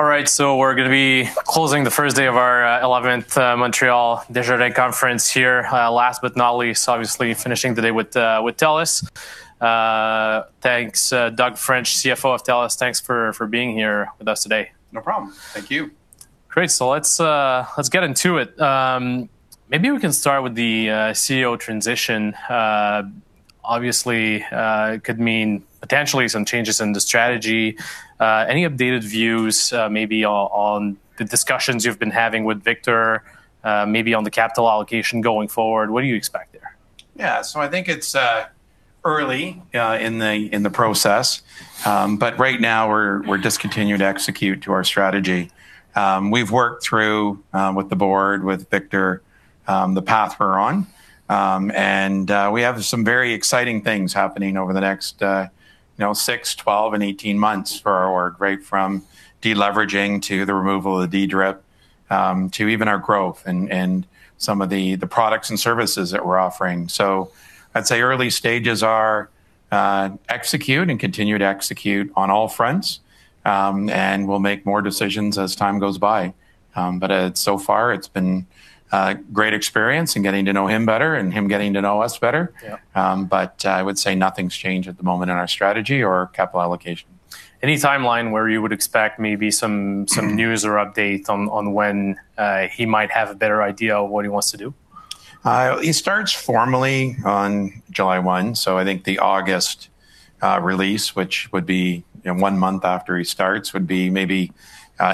All right, we're going to be closing the first day of our 11th Montréal Digital Day conference here. Last but not least, obviously finishing the day with TELUS. Thanks. Doug French, CFO of TELUS, thanks for being here with us today. No problem. Thank you. Great. Let's get into it. Maybe we can start with the CEO transition. Obviously, it could mean potentially some changes in the strategy. Any updated views maybe on the discussions you've been having with Victor, maybe on the capital allocation going forward? What do you expect there? Yeah. I think it's early in the process. Right now we're just continuing to execute to our strategy. We've worked through with the board, with Victor, the path we're on. We have some very exciting things happening over the next six, 12, and 18 months for our work, right from de-leveraging to the removal of the DRIP, to even our growth and some of the products and services that we're offering. I'd say early stages are execute and continue to execute on all fronts. We'll make more decisions as time goes by. So far it's been a great experience in getting to know him better and him getting to know us better. Yeah. I would say nothing's changed at the moment in our strategy or capital allocation. Any timeline where you would expect maybe some news or updates on when he might have a better idea of what he wants to do? He starts formally on July 1. I think the August release, which would be one month after he starts, would be maybe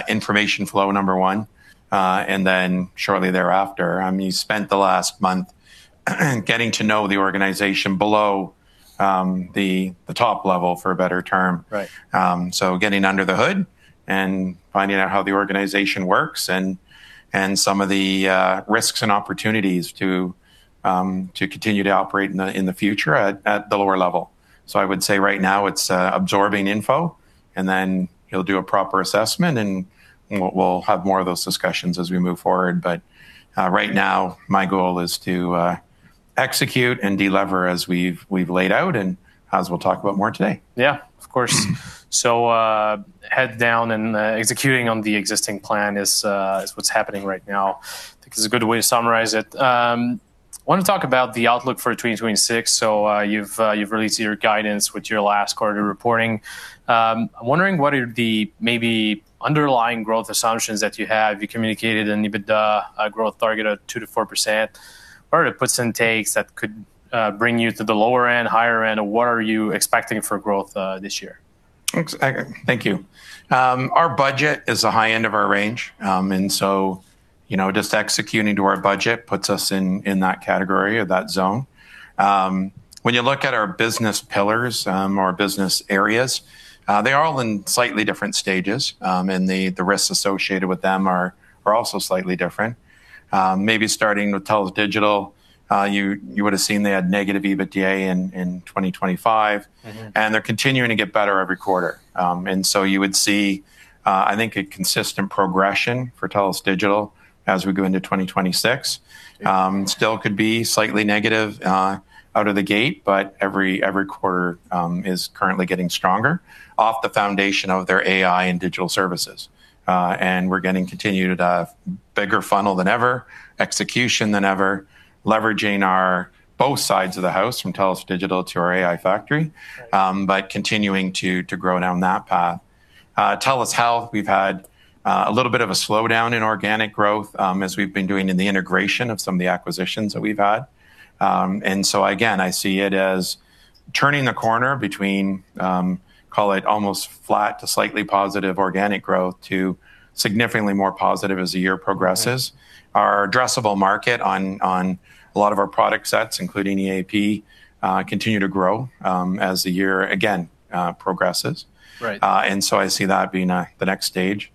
information flow number one, and then shortly thereafter. He spent the last month getting to know the organization below the top level, for a better term. Right. Getting under the hood and finding out how the organization works and some of the risks and opportunities to continue to operate in the future at the lower level. I would say right now it's absorbing info and then he'll do a proper assessment and we'll have more of those discussions as we move forward. Right now my goal is to execute and de-lever as we've laid out and as we'll talk about more today. Yeah. Of course. Head down and executing on the existing plan is what's happening right now, I think is a good way to summarize it. I want to talk about the outlook for 2026. You've released your guidance with your last quarter reporting. I'm wondering what are the maybe underlying growth assumptions that you have. You communicated an EBITDA growth target of 2%-4%. What are the puts and takes that could bring you to the lower end, higher end? What are you expecting for growth this year? Thank you. Our budget is the high end of our range, and so just executing to our budget puts us in that category or that zone. When you look at our business pillars, our business areas, they are all in slightly different stages, and the risks associated with them are also slightly different. Maybe starting with TELUS Digital, you would have seen they had negative EBITDA in 2025. Mm-hmm. They're continuing to get better every quarter. You would see, I think, a consistent progression for TELUS Digital as we go into 2026. Still could be slightly negative out of the gate, but every quarter is currently getting stronger off the foundation of their AI and digital services. We're getting continued a bigger funnel than ever, execution than ever, leveraging our both sides of the house from TELUS Digital to our AI Factory- Right... continuing to grow down that path. TELUS Health, we've had a little bit of a slowdown in organic growth as we've been doing in the integration of some of the acquisitions that we've had. Again, I see it as turning the corner between, call it almost flat to slightly positive organic growth to significantly more positive as the year progresses. Mm-hmm. Our addressable market on a lot of our product sets, including EAP, continue to grow as the year, again, progresses. Right. I see that being the next stage.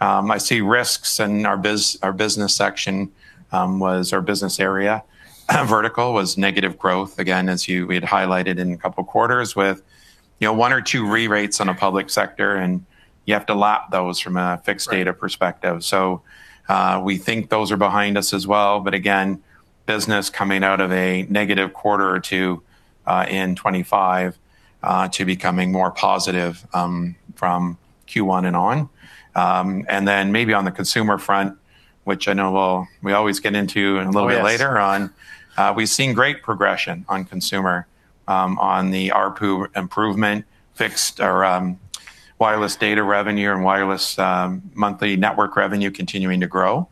I see risks in our business area vertical was negative growth again, as we had highlighted in a couple of quarters with one or two re-rates in the public sector, and you have to lap those from a fixed- Right data perspective. We think those are behind us as well. Again, business coming out of a negative quarter or two in 2025, to becoming more positive from Q1 and on. Then maybe on the consumer front, which I know we always get into a little bit. Yes Later on. We've seen great progression on consumer, on the ARPU improvement fixed and wireless data revenue and wireless monthly network revenue continuing to grow,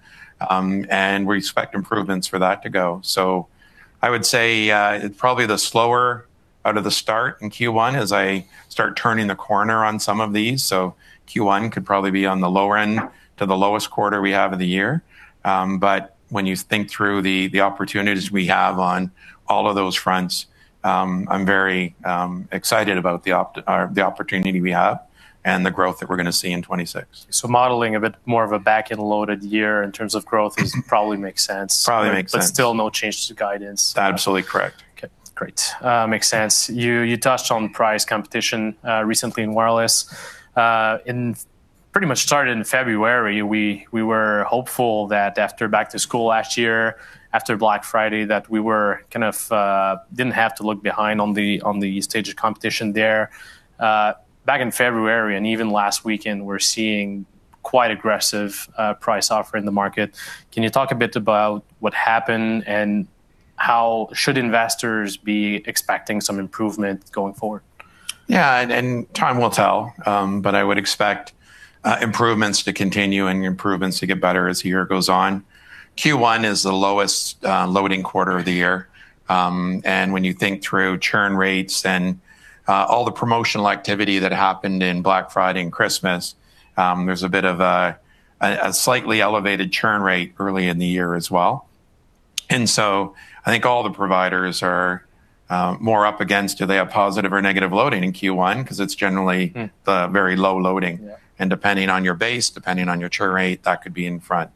and we expect improvements for that to go. I would say probably the slower out of the [start] in Q1 as I start turning the corner on some of these, so Q1 could probably be on the lower end. Yeah To the lowest quarter we have of the year. When you think through the opportunities we have on all of those fronts, I'm very excited about the opportunity we have and the growth that we're going to see in 2026. Modeling a bit more of a back-end loaded year in terms of growth probably makes sense. Probably makes sense. Still no changes to guidance. Absolutely correct. Okay, great. Makes sense. You touched on price competition recently in wireless. It pretty much started in February. We were hopeful that after back to school last year, after Black Friday, that we kind of didn't have to look behind on the state of competition there. Back in February and even last weekend, we're seeing quite aggressive price offers in the market. Can you talk a bit about what happened, and how should investors be expecting some improvement going forward? Yeah. Time will tell, but I would expect improvements to continue and improvements to get better as the year goes on. Q1 is the lowest loading quarter of the year. When you think through churn rates and all the promotional activity that happened in Black Friday and Christmas, there's a bit of a slightly elevated churn rate early in the year as well. I think all the providers are more up against, do they have positive or negative loading in Q1? Because it's generally— Mm. the very low loading. Yeah. Depending on your base, depending on your churn rate, that could be in front.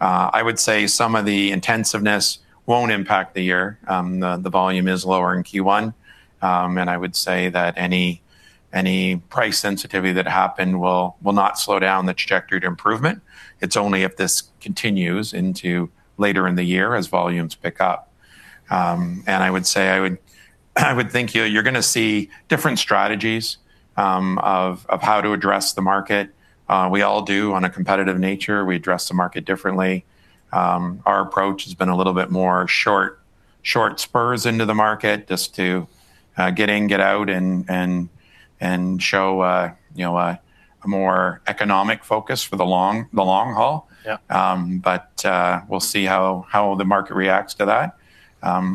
I would say some of the intensiveness won't impact the year. The volume is lower in Q1. I would say that any price sensitivity that happened will not slow down the trajectory to improvement. It's only if this continues into later in the year as volumes pick up. I would say, I would think you're going to see different strategies of how to address the market. We all do on a competitive nature. We address the market differently. Our approach has been a little bit more short spurts into the market just to get in, get out, and show a more economic focus for the long haul. Yeah. We'll see how the market reacts to that.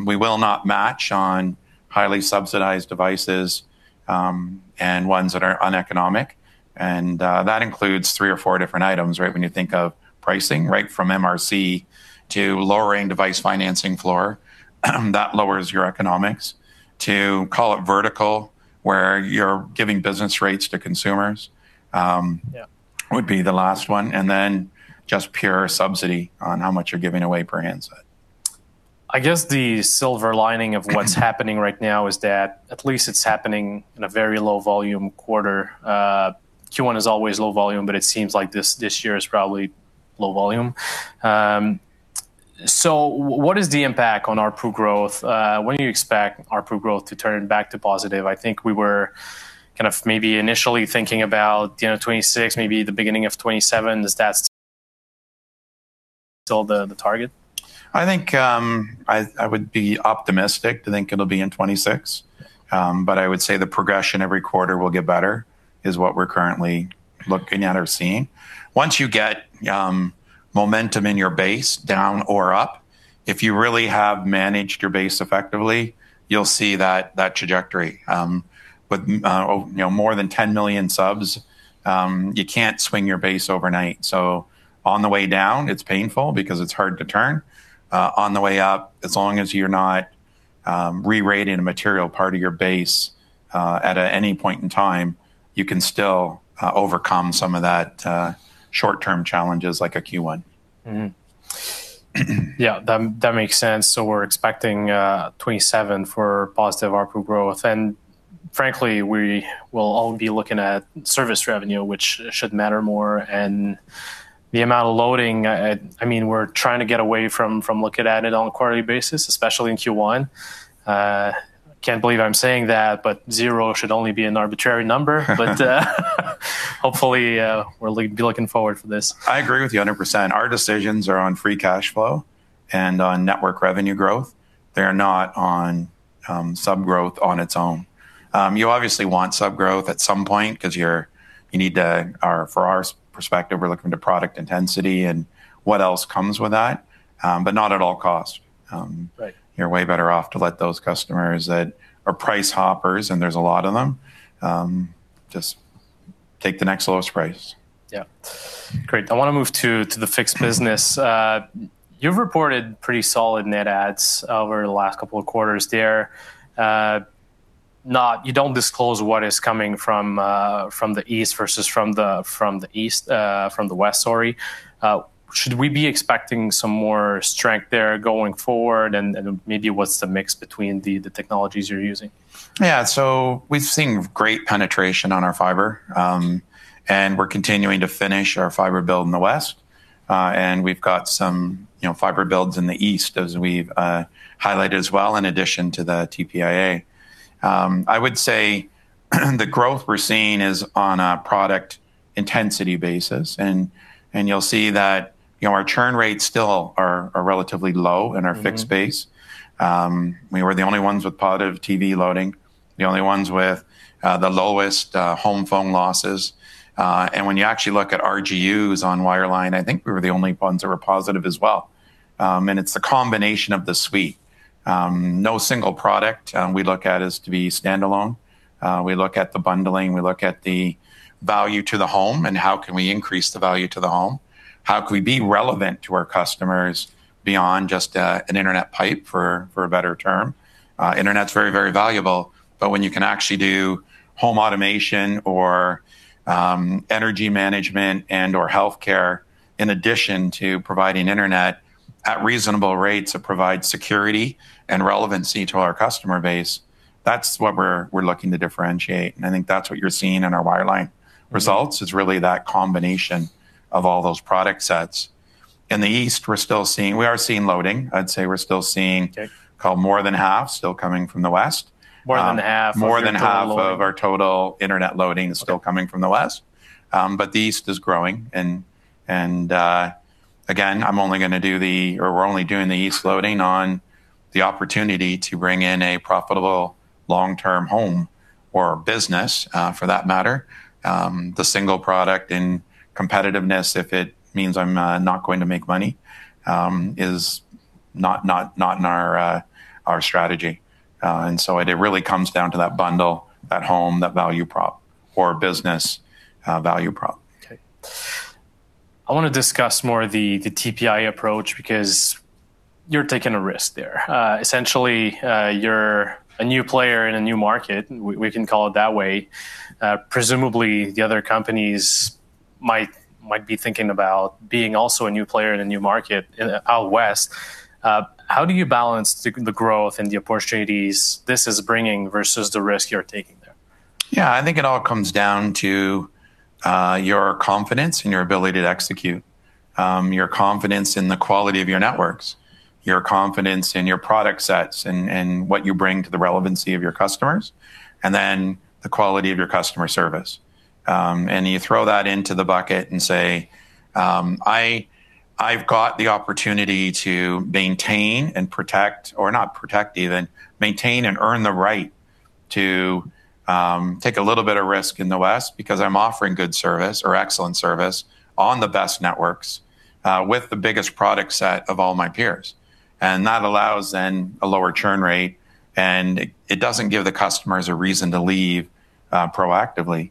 We will not match on highly subsidized devices and ones that are uneconomic. That includes three or four different items, right, when you think of pricing, right from MRC to lowering device financing floor that lowers your economics, to call it vertical, where you're giving business rates to consumers— Yeah would be the last one, and then just pure subsidy on how much you're giving away per handset. I guess the silver lining of what's happening right now is that at least it's happening in a very low volume quarter. Q1 is always low volume, but it seems like this year is probably low volume. What is the impact on ARPU growth? When do you expect ARPU growth to turn back to positive? I think we were, maybe initially thinking about [the end of] 2026, maybe the beginning of 2027. Is that still the target? I think I would be optimistic to think it'll be in 2026. I would say the progression every quarter will get better, is what we're currently looking at or seeing. Once you get momentum in your base down or up, if you really have managed your base effectively, you'll see that trajectory. With more than 10 million subs, you can't swing your base overnight. On the way down, it's painful because it's hard to turn. On the way up, as long as you're not re-rating a material part of your base at any point in time, you can still overcome some of that short-term challenges like a Q1. That makes sense. We're expecting [27 for] positive ARPU growth. Frankly, we will all be looking at service revenue, which should matter more and the amount of loading. We're trying to get away from looking at it on a quarterly basis, especially in Q1. Can't believe I'm saying that, but zero should only be an arbitrary number. Hopefully, we'll be looking forward for this. I agree with you 100%. Our decisions are on free cash flow and on network revenue growth. They're not on sub growth on its own. You obviously want sub growth at some point because for our perspective, we're looking to product intensity and what else comes with that, but not at all cost. Right. You're way better off to let those customers that are price hoppers, and there's a lot of them, just take the next lowest price. Yeah. Great. I want to move to the fixed business. You've reported pretty solid net adds over the last couple of quarters there. You don't disclose what is coming from the East versus from the West. Should we be expecting some more strength there going forward? Maybe, what's the mix between the technologies you're using? Yeah. We've seen great penetration on our fiber, and we're continuing to finish our fiber build in the West. We've got some fiber builds in the East as we've highlighted as well, in addition to the TPIA. I would say the growth we're seeing is on a product intensity basis, and you'll see that our churn rates still are relatively low in our fixed base. Mm-hmm. We were the only ones with positive TV loading, the only ones with the lowest home phone losses. When you actually look at RGUs on wireline, I think we were the only ones that were positive as well. It's the combination of the suite. No single product we look at is to be standalone. We look at the bundling. We look at the value to the home, and how can we increase the value to the home. How can we be relevant to our customers beyond just an internet pipe for a better term? Internet's very, very valuable, but when you can actually do home automation or energy management and/or healthcare, in addition to providing internet at reasonable rates that provide security and relevancy to our customer base, that's what we're looking to differentiate. I think that's what you're seeing in our wireline results. Mm-hmm. It's really that combination of all those product sets. In the East, we are seeing loading. I'd say we're still seeing- Okay ...call more than half still coming from the West. More than half of your total loading. More than half of our total internet loading is still coming from the West. Okay. The East is growing, and again, we're only doing the East, [leaning] on the opportunity to bring in a profitable long-term home or business for that matter. The single product. In competitiveness, if it means I'm not going to make money, is not in our strategy. It really comes down to that bundle, that home, that value prop or business value prop. Okay. I want to discuss more the TPIA approach because you're taking a risk there. Essentially, you're a new player in a new market, we can call it that way. Presumably, the other companies might be thinking about being also a new player in a new market out West. How do you balance the growth and the opportunities this is bringing versus the risk you're taking there? Yeah. I think it all comes down to your confidence in your ability to execute, your confidence in the quality of your networks, your confidence in your product sets and what you bring to the relevancy of your customers, and then the quality of your customer service. You throw that into the bucket and say, "I've got the opportunity to maintain and protect," or not protect even, "maintain and earn the right to take a little bit of risk in the West because I'm offering good service or excellent service on the best networks, with the biggest product set of all my peers." That allows then a lower churn rate, and it doesn't give the customers a reason to leave proactively.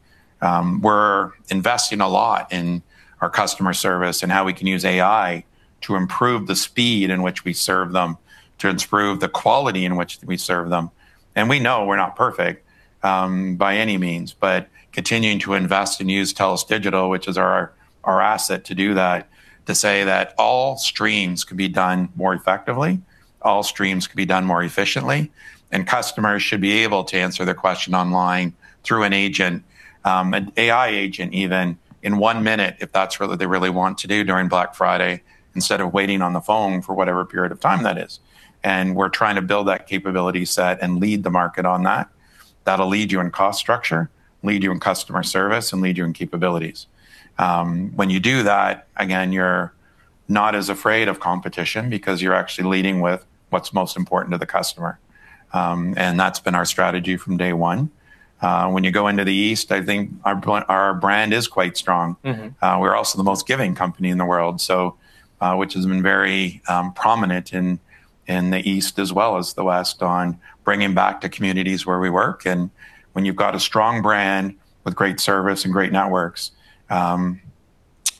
We're investing a lot in our customer service and how we can use AI to improve the speed in which we serve them, to improve the quality in which we serve them. We know we're not perfect by any means, but continuing to invest and use TELUS Digital, which is our asset to do that, to say that all streams could be done more effectively, all streams could be done more efficiently, and customers should be able to answer the question online through an agent, an AI agent even, in one minute if that's what they really want to do during Black Friday instead of waiting on the phone for whatever period of time that is. We're trying to build that capability set and lead the market on that. That'll lead you in cost structure, lead you in customer service, and lead you in capabilities. When you do that, again, you're not as afraid of competition because you're actually leading with what's most important to the customer, and that's been our strategy from day one. When you go into the East, I think our brand is quite strong. Mm-hmm. We're also the most giving company in the world, which has been very prominent in the East as well as the West on bringing back to communities where we work. When you've got a strong brand with great service and great networks,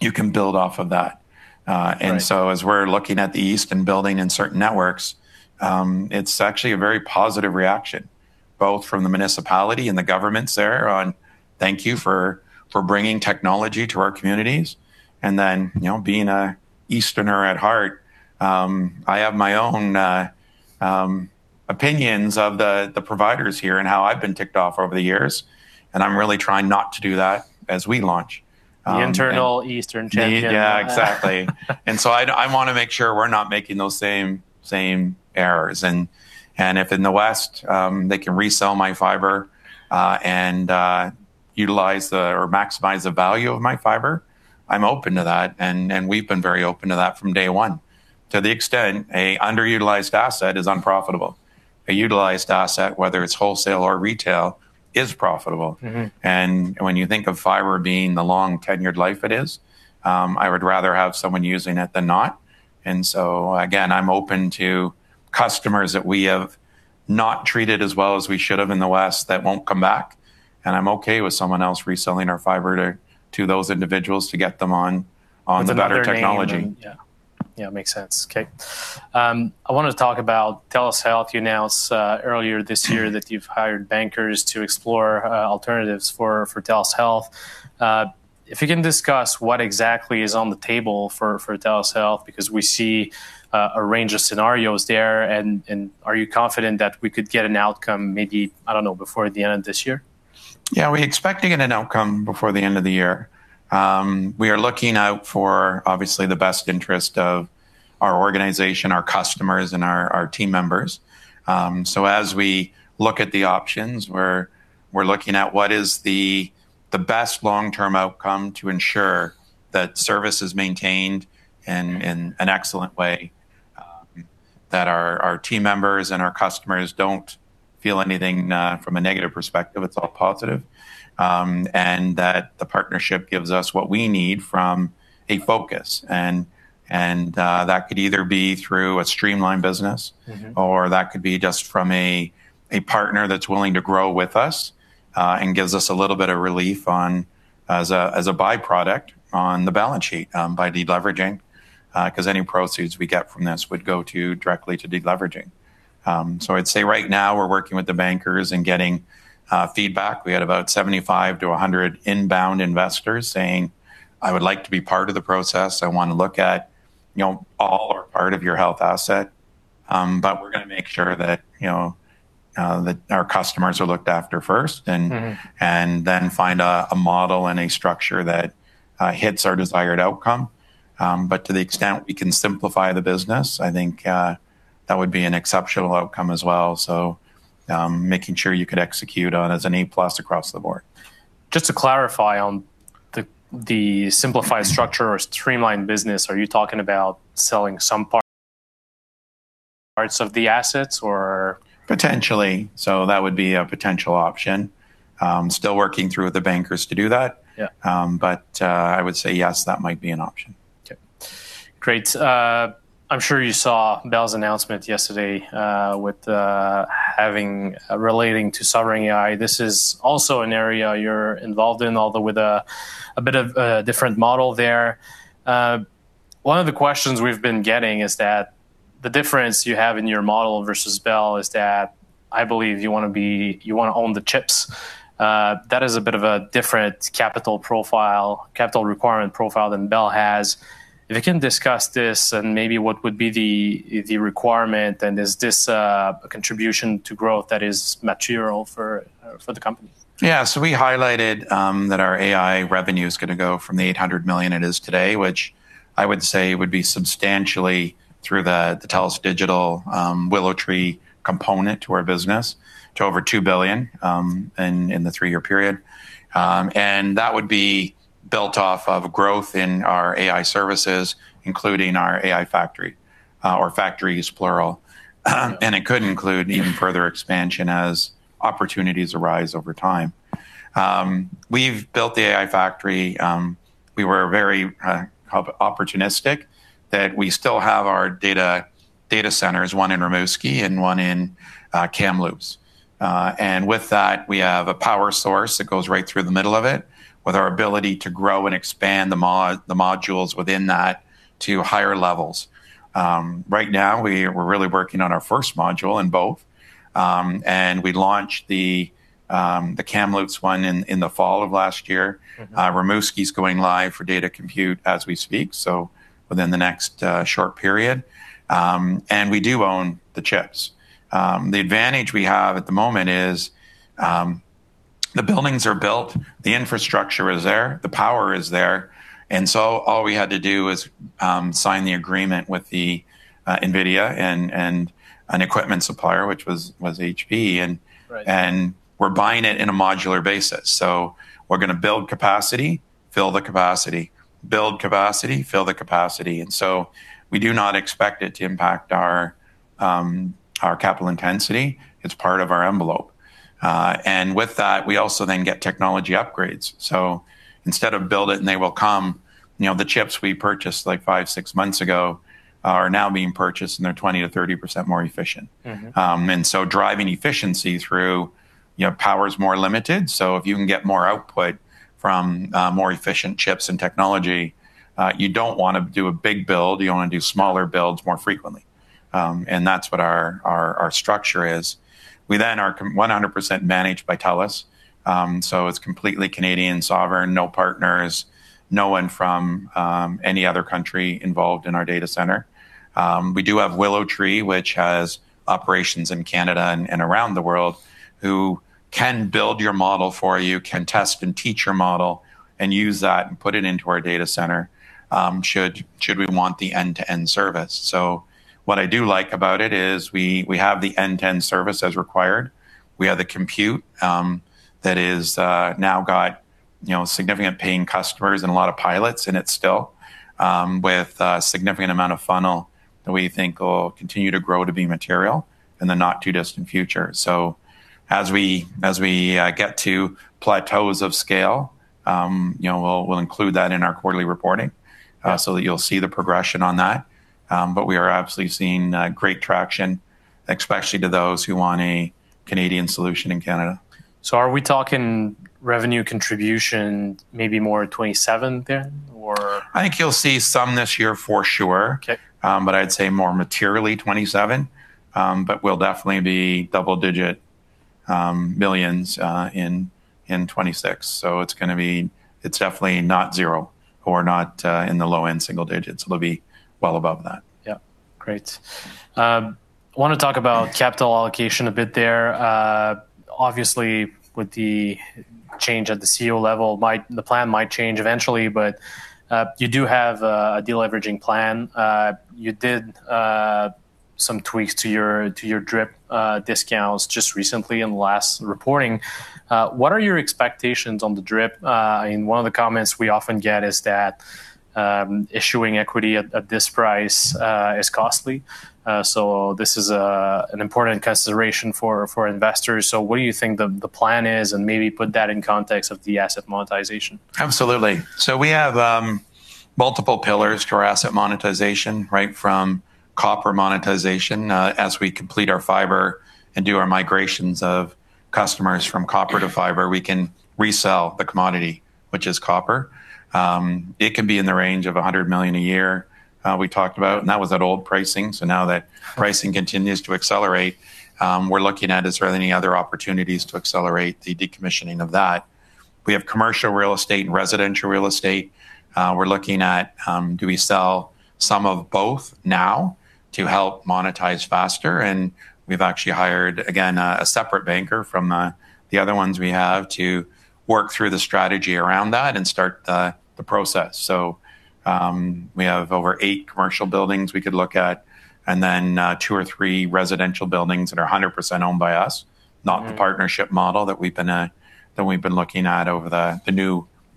you can build off of that. Right. As we're looking at the East and building in certain networks, it's actually a very positive reaction, both from the municipality and the governments there on, "Thank you for bringing technology to our communities." Then, being an Easterner at heart, I have my own opinions of the providers here and how I've been ticked off over the years, and I'm really trying not to do that as we launch. The internal eastern champion. Yeah, exactly. I want to make sure we're not making those same errors. If in the West, they can resell my fiber, and utilize or maximize the value of my fiber, I'm open to that, and we've been very open to that from day one. To the extent that an underutilized asset is unprofitable, a utilized asset, whether it's wholesale or retail, is profitable. Mm-hmm. When you think of fiber being the long-tenured life it is, I would rather have someone using it than not. Again, I'm open to customers that we have not treated as well as we should have in the West that won't come back, and I'm okay with someone else reselling our fiber to those individuals to get them on the better technology. Yeah. Makes sense. Okay. I want to talk about TELUS Health. You announced earlier this year that you've hired bankers to explore alternatives for TELUS Health. If you can discuss what exactly is on the table for TELUS Health, because we see a range of scenarios there, and are you confident that we could get an outcome maybe, I don't know, before the end of this year? Yeah. We're expecting an outcome before the end of the year. We are looking out for obviously the best interest of our organization, our customers, and our team members. As we look at the options, we're looking at what is the best long-term outcome to ensure that service is maintained in an excellent way, that our team members and our customers don't feel anything from a negative perspective, it's all positive. That the partnership gives us what we need from a focus, and that could either be through a streamlined business. Mm-hmm Or that could be just from a partner that's willing to grow with us, and gives us a little bit of relief as a byproduct on the balance sheet, by deleveraging. Because any proceeds we get from this would go directly to deleveraging. I'd say right now we're working with the bankers and getting feedback. We had about 75-100 inbound investors saying, "I would like to be part of the process. I want to look at all or part of your health asset." We're going to make sure that our customers are looked after first. Mm-hmm Then find a model and a structure that hits our desired outcome. To the extent we can simplify the business, I think that would be an exceptional outcome as well. Making sure you could execute on as an A+ across the board. Just to clarify on the simplified structure or streamlined business, are you talking about selling some parts of the assets or? Potentially. That would be a potential option. Still working through the bankers to do that. Yeah. I would say yes, that might be an option. Okay, great. I'm sure you saw Bell's announcement yesterday relating to Sovereign AI. This is also an area you're involved in, although with a bit of a different model there. One of the questions we've been getting is that the difference you have in your model versus Bell is that I believe you want to own the chips. That is a bit of a different capital requirement profile than Bell has. If you can discuss this and maybe what would be the requirement, and is this a contribution to growth that is material for the company? Yeah, we highlighted that our AI revenue is going to go from 800 million it is today, which I would say would be substantially through the TELUS Digital WillowTree component to our business, to over 2 billion in the three-year period. That would be built off of growth in our AI services, including our AI Factory, or factories plural. It could include even further expansion as opportunities arise over time. We've built the AI Factory. We were very opportunistic that we still have our data centers, one in Rimouski and one in Kamloops. With that, we have a power source that goes right through the middle of it, with our ability to grow and expand the modules within that to higher levels. Right now, we're really working on our first module in both. We launched the Kamloops one in the fall of last year. Mm-hmm. Rimouski's going live for data compute as we speak, so within the next short period. We do own the chips. The advantage we have at the moment is the buildings are built, the infrastructure is there, the power is there, all we had to do is sign the agreement with the NVIDIA and an equipment supplier, which was HP and- Right.... we're buying it in a modular basis. We're going to build capacity, fill the capacity. We do not expect it to impact our capital intensity. It's part of our envelope. With that, we also then get technology upgrades. Instead of build it and they will come, the chips we purchased like five, six months ago are now being purchased, and they're 20%-30% more efficient. Mm-hmm. Driving efficiency through power is more limited, so if you can get more output from more efficient chips and technology, you don't want to do a big build. You want to do smaller builds more frequently. That's what our structure is. We then are 100% managed by TELUS, so it's completely Canadian sovereign, no partners, no one from any other country involved in our data center. We do have WillowTree, which has operations in Canada and around the world, who can build your model for you, can test and teach your model, and use that and put it into our data center, should we want the end-to-end service. What I do like about it is we have the end-to-end service as required. We have the compute that is now got significant paying customers and a lot of pilots in it still, with a significant amount of funnel that we think will continue to grow to be material in the not-too-distant future. As we get to plateaus of scale, we'll include that in our quarterly reporting. Yeah. [So] you'll see the progression on that. We are absolutely seeing great traction, especially to those who want a Canadian solution in Canada. Are we talking revenue contribution maybe more in 2027 then or? I think you'll see some this year for sure. Okay. I'd say more materially 2027. We'll definitely be double-digit millions in 2026. It's definitely not zero or not in the low-end single digits. It'll be well above that. Yeah. Great. I want to talk about capital allocation a bit there. Obviously, with the change at the CEO level, the plan might change eventually, but you do have a de-leveraging plan. You did some tweaks to your DRIP discounts just recently in the last reporting. What are your expectations on the DRIP? One of the comments we often get is that issuing equity at this price is costly. This is an important consideration for investors. What do you think the plan is, and maybe put that in context of the asset monetization? Absolutely. We have multiple pillars to our asset monetization, right from copper monetization. As we complete our fiber and do our migrations of customers from copper to fiber, we can resell the commodity, which is copper. It can be in the range of 100 million a year. We talked about, and that was at old pricing. Now that pricing continues to accelerate, we're looking at is there any other opportunities to accelerate the decommissioning of that. We have commercial real estate and residential real estate. We're looking at, do we sell some of both now to help monetize faster? We've actually hired, again, a separate banker from the other ones we have to work through the strategy around that and start the process. We have over eight commercial buildings we could look at, and then two or three residential buildings that are 100% owned by us, not the partnership model that we've been looking at over the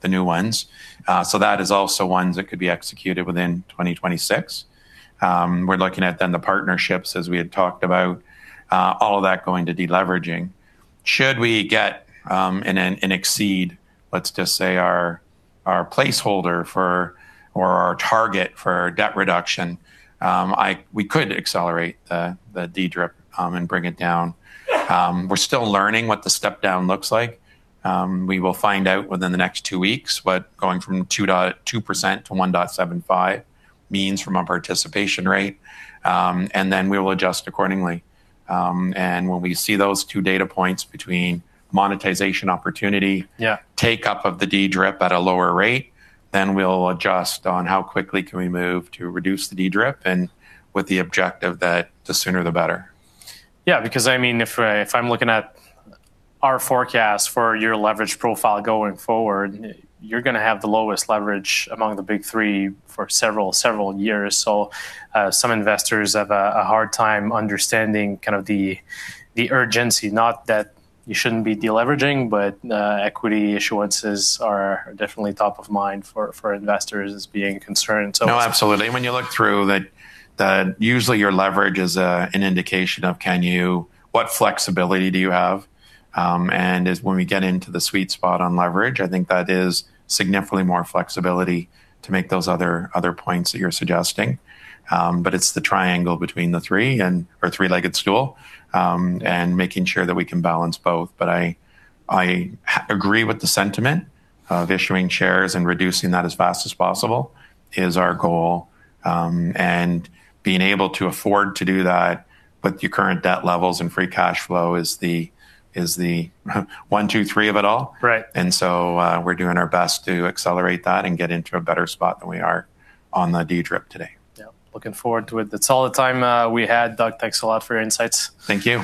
new ones. That is also ones that could be executed within 2026. We're looking at then the partnerships as we had talked about, all of that going to de-leveraging. Should we get and exceed, let's just say our placeholder for, or our target for debt reduction, we could accelerate the DRIP and bring it down. We're still learning what the step-down looks like. We will find out within the next two weeks what going from 2%-1.75% means from a participation rate, and then we will adjust accordingly. When we see those two data points between monetization opportunity. Yeah Take-up of the DRIP at a lower rate, then we'll adjust on how quickly can we move to reduce the DRIP, and with the objective that the sooner the better. Yeah, because if I'm looking at our forecast for your leverage profile going forward, you're going to have the lowest leverage among the Big Three for several years. Some investors have a hard time understanding the urgency. Not that you shouldn't be de-leveraging, but equity issuances are definitely top of mind for investors as being concerned, so- No, absolutely. When you look through, usually your leverage is an indication of what flexibility do you have? As we get into the sweet spot on leverage, I think that is significantly more flexibility to make those other points that you're suggesting. It's the triangle between the three, or three-legged stool, and making sure that we can balance both. I agree with the sentiment of issuing shares and reducing that as fast as possible is our goal. Being able to afford to do that with your current debt levels and free cash flow is the one, two, three of it all. Right. We're doing our best to accelerate that and get into a better spot than we are on the DRIP today. Yep. Looking forward to it. That's all the time we had, Doug. Thanks a lot for your insights. Thank you.